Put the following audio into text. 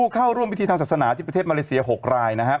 ก็ร่วมพิธีทางศักดิ์ภาษณาที่ประเทศมาเลเซีย๖รายนะฮะ